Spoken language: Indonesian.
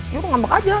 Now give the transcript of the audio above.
ya udah ngambek aja